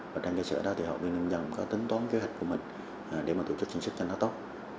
và trong cái sở đó thì họ bị nông dân có tính toán kế hoạch của mình để mà tổ chức chính sức cho nó tốt